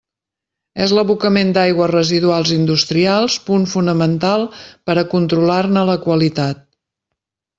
És l'abocament d'aigües residuals industrials punt fonamental per a controlar-ne la qualitat.